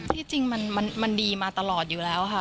ที่จริงมันดีมาตลอดอยู่แล้วค่ะ